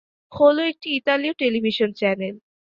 হলো একটি ইতালিয় television channel.